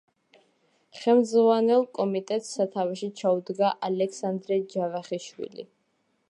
ხელმძღვანელ კომიტეტს სათავეში ჩაუდგა ალექსანდრე ჯავახიშვილი.